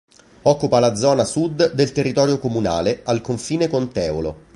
Occupa la zona sud del territorio comunale, al confine con Teolo.